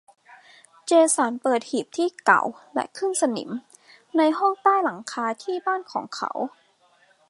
เจสันเปิดหีบที่เก่าและขึ้นสนิมในห้องใต้หลังคาที่บ้านของเขา